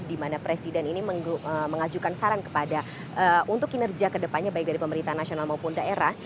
dimana presiden ini mengajukan saran kepada untuk kinerja ke depannya baik dari pemerintahan nasional maupun daerah